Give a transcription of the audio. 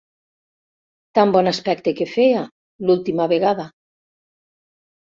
Tan bon aspecte que feia, l'última vegada.